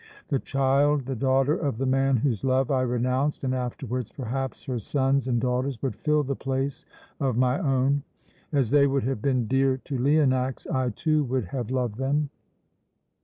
The child, the daughter of the man whose love I renounced, and afterwards perhaps her sons and daughters, would fill the place of my own. As they would have been dear to Leonax, I, too, would have loved them!